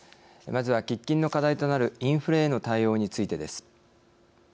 まずは喫緊の課題となるインフレへの対応についてです。